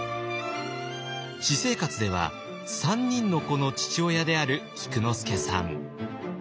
私生活では３人の子の父親である菊之助さん。